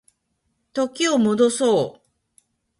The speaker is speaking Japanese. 時を戻そう